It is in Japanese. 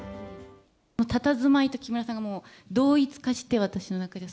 たたずまいと木村さんがもう、同一化して、私の中で。